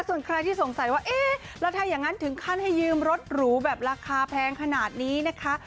ส่วนใครที่สงสัยว่าเอ๊ะแล้วถ้าอย่างนั้นถึงขั้นให้ยืมรถหรูแบบราคาแพงขนาดนี้นะคะ